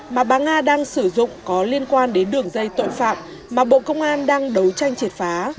mà bà nga đang sử dụng có liên quan đến đường dây tội phạm mà bộ công an đang đấu tranh triệt phá